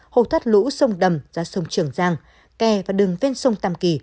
hồ thoát lũ sông đầm ra sông trường giang kè và đường ven sông tam kỳ